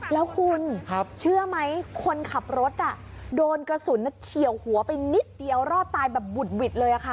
แล้วคุณเชื่อไหมคนขับรถโดนกระสุนเฉียวหัวไปนิดเดียวรอดตายแบบบุดหวิดเลยค่ะ